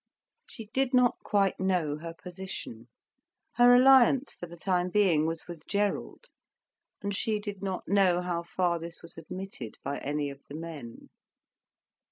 She did not quite know her position. Her alliance for the time being was with Gerald, and she did not know how far this was admitted by any of the men.